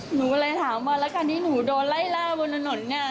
หนูก็เลยถามว่าแล้วการที่หนูโดนไล่ล่าบนถนนเนี่ย